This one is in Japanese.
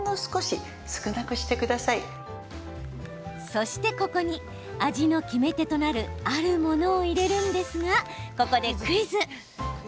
そして、ここに味の決め手となるあるものを入れるんですがここでクイズ。